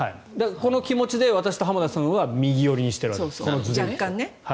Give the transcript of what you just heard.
この気持ちで私と浜田さんは右寄りにしている。